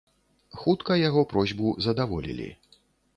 Хутка яго просьбу задаволілі.